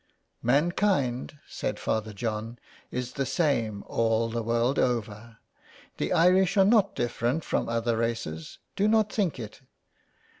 Mankind," said Father John, " is the same all the world over. The Irish are not different from other races ; do not think it.